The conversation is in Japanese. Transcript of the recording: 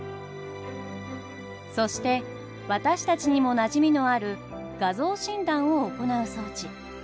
そして私たちにもなじみのある画像診断を行う装置。